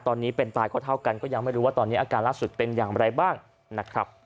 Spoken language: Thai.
ตอนนี้เป็นตายก็เท่ากันก็ยังไม่รู้ว่าตอนนี้อาการล่าสุดเป็นอย่างไรบ้างนะครับ